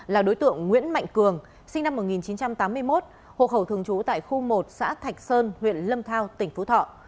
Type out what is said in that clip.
là đối tượng nguyễn mạnh cường sinh năm một nghìn chín trăm tám mươi một hộ khẩu thường trú tại khu một xã thạch sơn huyện lâm thao tỉnh phú thọ